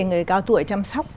người cao tuổi chăm sóc